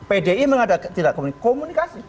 pdi memang tidak ada komunikasi komunikasi